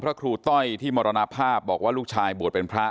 ครูต้อยที่มรณภาพบอกว่าลูกชายบวชเป็นพระ